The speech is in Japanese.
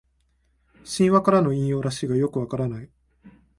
神話からの引用らしいがよくわからない